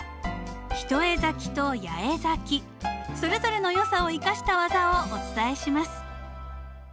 一重咲きと八重咲きそれぞれのよさを生かした技をお伝えします。